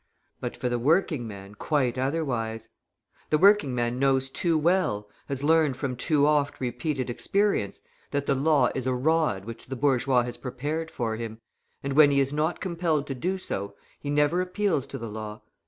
But for the working man quite otherwise! The working man knows too well, has learned from too oft repeated experience, that the law is a rod which the bourgeois has prepared for him; and when he is not compelled to do so, he never appeals to the law.